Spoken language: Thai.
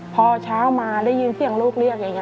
พอเช้ามาได้ยินเสียงลูกเรียกอย่างนี้